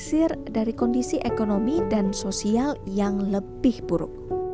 anak anak pesisir dari kondisi ekonomi dan sosial yang lebih buruk